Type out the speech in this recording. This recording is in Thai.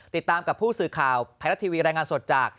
ติดตามกับผู้สื่อข่าวไทยรัฐทีวีรายงานสดจาก